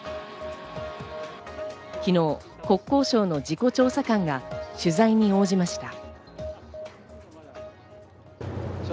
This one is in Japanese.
昨日、国交省の事故調査官が取材に応じました。